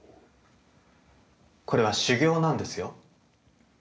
これは修行なんですよ。